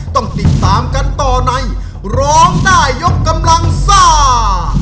ต้องติดตามกันต่อในร้องได้ยกกำลังซ่า